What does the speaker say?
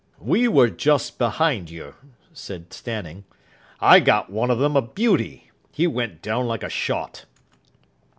"We were just behind you," said Stanning. "I got one of them a beauty. He went down like a shot."